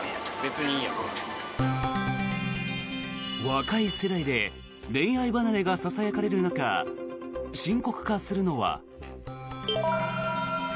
若い世代で恋愛離れがささやかれる中深刻化するのは。